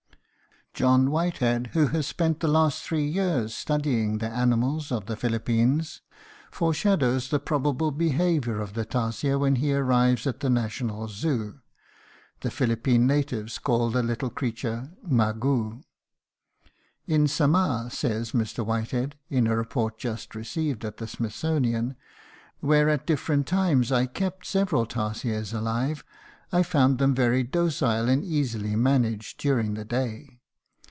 John Whitehead, who has spent the last three years studying the animals of the Philippines, foreshadows the probable behavior of the tarsier when he arrives at the national "zoo." The Philippine natives call the little creature "magou." "In Samar," says Mr. Whitehead, in a report just received at the Smithsonian, "where at different times I kept several tarsiers alive, I found them very docile and easily managed during the day.